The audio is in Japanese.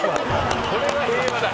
これは平和だ。